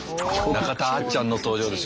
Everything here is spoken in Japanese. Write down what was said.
中田あっちゃんの登場です。